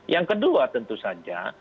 yang kedua tentu saja